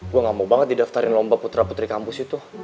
gue gak mau banget didaftarin lomba putra putri kampus itu